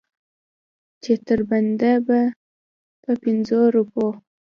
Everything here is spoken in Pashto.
چې تر بنده په پنځو روپو.